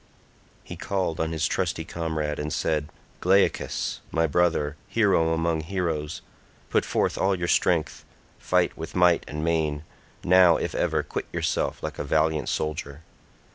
He called on his trusty comrade and said, "Glaucus, my brother, hero among heroes, put forth all your strength, fight with might and main, now if ever quit yourself like a valiant soldier.